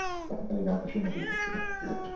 প্রাচীন কালে এই গ্রামের কৃষি উন্নতি বিখ্যাত ছিল।